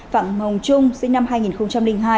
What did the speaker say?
phạm hồng trung sinh năm hai nghìn hai